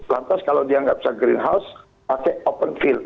lantas kalau dia nggak bisa greenhouse pakai open feel